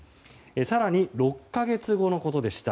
更に、６か月後のことでした。